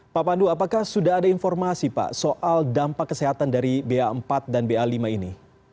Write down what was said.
pak pandu apakah sudah ada informasi pak soal dampak kesehatan dari ba empat dan ba lima ini